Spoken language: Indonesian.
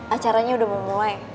acaranya udah mulai